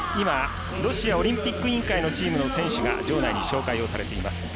ロシアオリンピック委員会のチームの選手が場内に紹介されています。